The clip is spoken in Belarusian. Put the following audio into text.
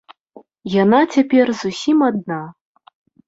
Яна цяпер зусім адна.